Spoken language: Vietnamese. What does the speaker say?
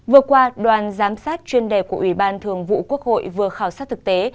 vừa qua đoàn giám sát chuyên đề của ủy ban thường vụ quốc hội vừa khảo sát thực tế